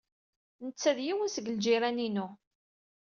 Netta d yiwen seg ljiran-inu.